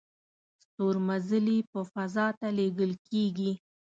ستورمزلي په فضا ته لیږل کیږي